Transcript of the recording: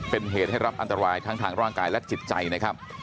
เป็นเหตุให้รับอันตรายทั้งทางร่างกายและจิตใจนะครับ